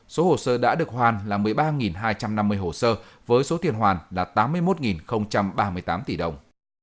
số hồ sơ đã được hoàn là một mươi ba hai trăm năm mươi hồ sơ với số tiền hoàn là tám mươi một ba mươi tám tỷ đồng